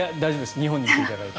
日本にいていただいて。